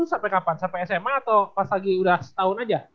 sampai kapan sampai sma atau pas lagi udah setahun aja